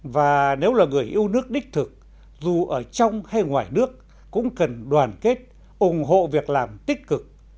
và nếu là người yêu nước đích thực dù ở trong hay ngoài nước cũng cần đoàn kết ủng hộ việc làm tích cực